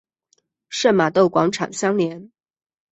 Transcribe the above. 圣玛窦广场相连。